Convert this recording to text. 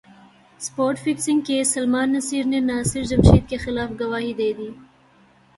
spot fixing case Salman Nasir نے ناصر جمشید کیخلاف گواہی دے دی